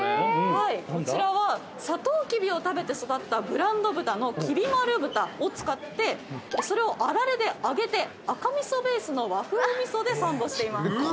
こちらはサトウキビを食べて育ったブランド豚のキビまる豚を使ってそれをあられで揚げて赤味噌ベースの和風味噌でサンドしています。